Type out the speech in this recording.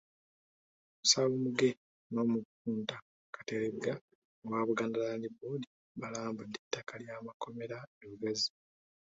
Musawo Muge n'Omupunta Kateregga owa Buganda Land Board baalambudde ettaka ly'amakomera e Lugazi.